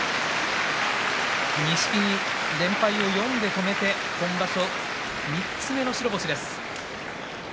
錦木は連敗を４で止めて今場所３つ目の白星です。